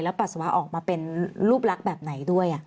ปัสสาวะออกมาเป็นรูปลักษณ์แบบไหนด้วย